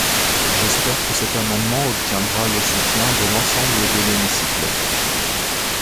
J’espère que cet amendement obtiendra le soutien de l’ensemble de l’hémicycle.